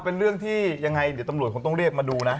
เป็นเรื่องที่ยังไงเดี๋ยวตำรวจคงต้องเรียกมาดูนะ